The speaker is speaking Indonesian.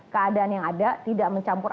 keadaan yang ada tidak mencampur